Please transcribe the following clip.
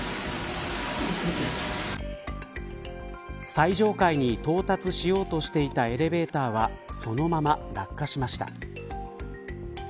最上階に到達しようとしていたエレベーターはそのまま落下しました。